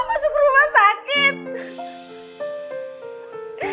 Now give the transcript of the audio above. bapak masuk rumah sakit